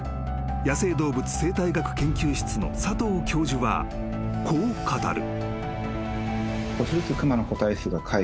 野生動物生態学研究室の佐藤教授はこう語る］